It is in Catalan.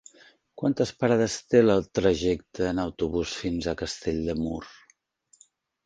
Quantes parades té el trajecte en autobús fins a Castell de Mur?